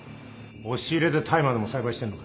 押し入れで大麻でも栽培してんのか